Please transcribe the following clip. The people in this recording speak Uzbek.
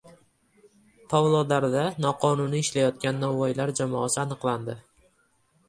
Pavlodarda noqonuniy ishlayotgan novvoylar jamoasi aniqlandi